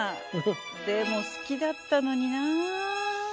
でも好きだったのにな」。